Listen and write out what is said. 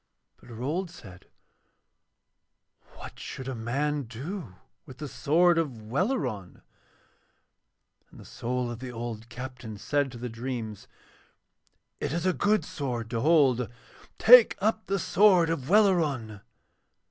But Rold said: 'What should a man do with the sword of Welleran?' And the soul of the old captain said to the dreams: 'It is a good sword to hold: take up the sword of Welleran.'